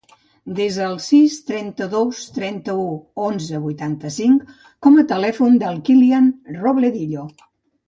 Desa el sis, trenta-dos, trenta-u, onze, vuitanta-cinc com a telèfon del Kilian Robledillo.